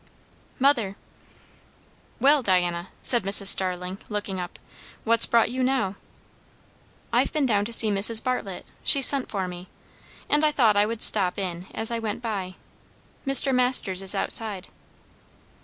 "Mother" "Well, Diana," said Mrs. Starling, looking up. "What's brought you now?" "I've been down to see Mrs. Bartlett she sent for me and I thought I would stop in as I went by. Mr. Masters is outside."